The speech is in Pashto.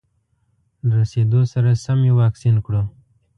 له رسېدو سره سم یې واکسین کړو.